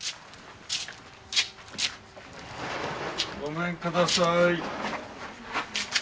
ごめんください。